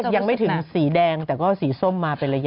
ยังไม่ถึงสีแดงแต่ก็สีส้มมาเป็นระยะ